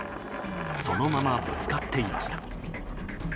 そのまま、ぶつかっていました。